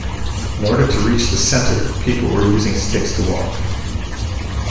In order to reach the centre, people were using sticks to walk.